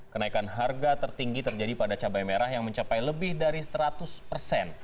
kenaikan harga tertinggi terjadi pada cabai merah yang mencapai lebih dari seratus persen